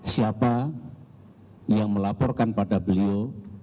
siapa yang melaporkan pada beliau